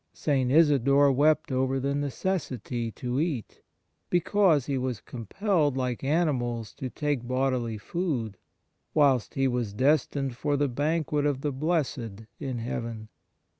St. Isidore wept over the necessity to eat, because he was compelled like animals to take bodily food, whilst he was destined for the banquet of the Blessed in heaven.